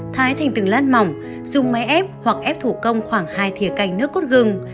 thái thành từng lát mỏng dùng máy ép hoặc ép thủ công khoảng hai thịa canh nước cốt gừng